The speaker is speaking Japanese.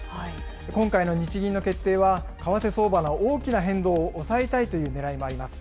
今回の日銀の決定は、為替相場の大きな変動を抑えたいというねらいもあります。